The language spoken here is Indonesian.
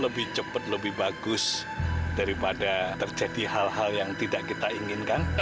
lebih cepat lebih bagus daripada terjadi hal hal yang tidak kita inginkan